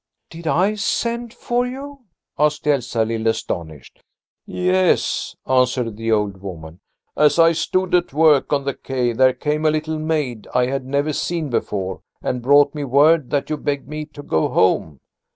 "Did I send for you?" asked Elsalill, astonished. "Yes," answered the old woman. "As I stood at work on the quay there came a little maid I had never seen before, and brought me word that you begged me to go home."